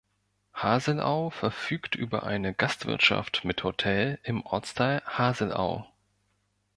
Haselau verfügt über eine Gastwirtschaft mit Hotel im Ortsteil Haselau.